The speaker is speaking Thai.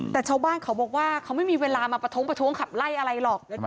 แต่ชาวบ้านเขาบอกว่าเขาไม่มีเวลามาประท้วงประท้วงขับไล่อะไรหรอก